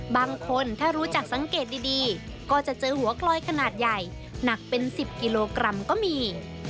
บางคนถ้ารู้จักสังเกตดีก็จะเจอหัวกลอยขนาดใหญ่หนักเป็น๑๐กิโลกรัมก็มี